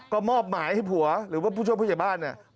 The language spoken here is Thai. ก็มอบหมายให้ผัวหรือว่าผู้ช่วยผู้ใหญ่บ้านเนี่ย